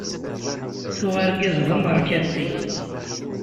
Tuɣ argaz d ameṛkanti.